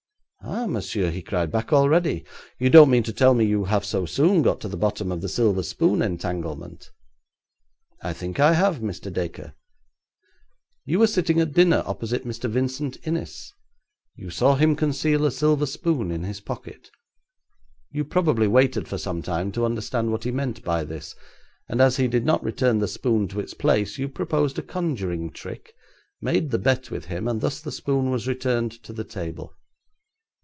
'Ah, monsieur,' he cried, 'back already? You don't mean to tell me you have so soon got to the bottom of the silver spoon entanglement?' 'I think I have, Mr. Dacre. You were sitting at dinner opposite Mr Vincent Innis. You saw him conceal a silver spoon in his pocket. You probably waited for some time to understand what he meant by this, and as he did not return the spoon to its place, you proposed a conjuring trick, made the bet with him, and thus the spoon was returned to the table.'